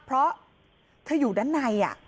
เพราะเธออยู่ด้านใน